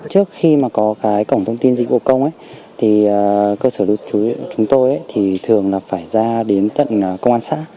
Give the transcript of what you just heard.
trước khi có cổng thông tin dịch vụ công cơ sở lưu trú chúng tôi thường phải ra đến tận công an